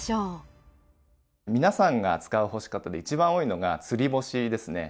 皆さんが使う干し方で一番多いのが「つり干し」ですね。